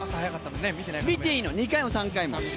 見ていいの、２回も３回も。